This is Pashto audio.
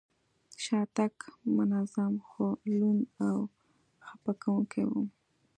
شاتګ منظم، خو لوند او خپه کوونکی و.